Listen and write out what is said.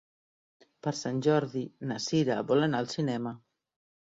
Per Sant Jordi na Cira vol anar al cinema.